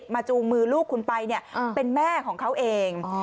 จูงมือลูกคุณไปเป็นแม่ของเขาเอง